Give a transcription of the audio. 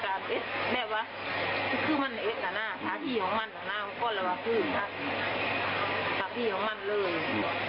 อันโรแบบนี้อยู่หมดตัวอยู่ทุน